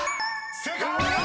［正解！］